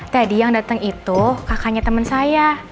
tadi yang dateng itu kakaknya temen saya